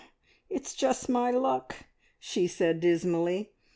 "It's just my luck!" she said dismally.